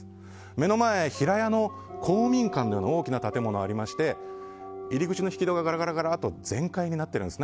目の前、平屋の公民館のような大きな建物がありまして入口の引き戸が全開になってるんです。